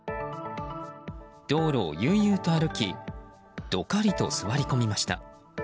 道路を悠々と歩きどかりと座り込みました。